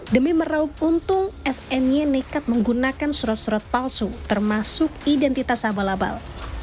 demi meraup untung sny nekat menggunakan surat surat palsu termasuk identitas abal abal